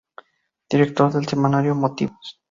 Director del semanario Motivos.